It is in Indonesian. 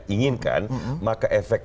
inginkan maka efek